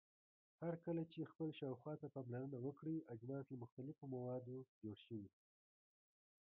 هرکله چې خپل شاوخوا ته پاملرنه وکړئ اجناس له مختلفو موادو جوړ شوي.